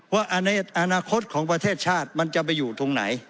ว่าในอนาคตของประเทศชาติมันจะไปอยู่ตรงไหน